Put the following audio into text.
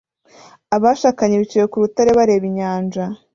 Abashakanye bicaye ku rutare bareba inyanja